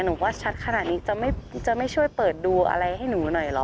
หนูว่าชัดขนาดนี้จะไม่ช่วยเปิดดูอะไรให้หนูหน่อยเหรอ